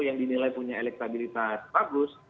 yang dinilai punya elektabilitas bagus